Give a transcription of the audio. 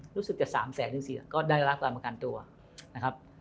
รู้สึกจะ๓แสนถึงเสียก็ได้รับการประกันตัวนะครับ